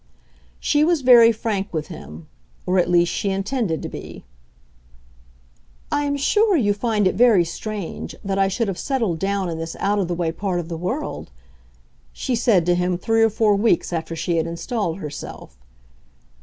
She was very frank with him; or at least she intended to be. "I am sure you find it very strange that I should have settled down in this out of the way part of the world!" she said to him three or four weeks after she had installed herself.